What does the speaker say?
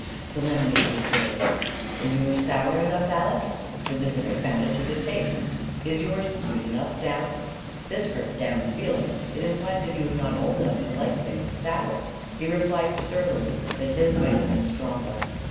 The lemonade was served. "Is yours sour enough, Aleck?" The visitor found it to his taste. "Is yours sweet enough, Downs?" This hurt Downs' feelings: it implied that he was not old enough to like things sour. He replied surlily that his might have been stronger.